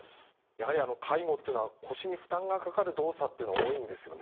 やはり介護っていうのは腰に負担がかかる動作っていうの多いんですよね？